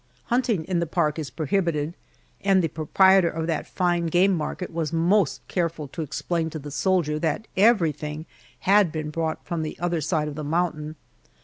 Hunting in the park is prohibited, and the proprietor of that fine game market was most careful to explain to the soldier that everything had been brought from the other side of the mountain.